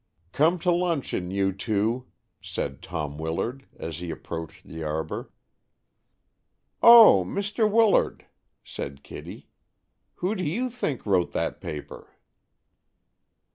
"Come to luncheon, you two," said Tom Willard, as he approached the arbor. "Oh, Mr. Willard," said Kitty, "who do you think wrote that paper?"